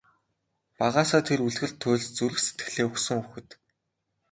Багаасаа тэр үлгэр туульст зүрх сэтгэлээ өгсөн хүүхэд.